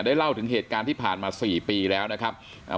เล่าถึงเหตุการณ์ที่ผ่านมาสี่ปีแล้วนะครับ